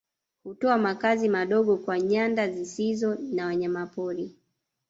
Hutoa makazi madogo kwa nyanda zisizo na wanyamapori